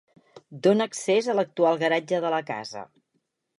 Dóna accés a l'actual garatge de la casa.